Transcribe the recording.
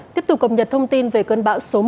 tiếp tục cập nhật thông tin về cơn bão số một